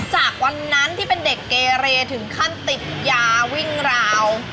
จากวันนั้นที่เป็นเด็กเกเรถึงขั้นติดยาวิ่งราว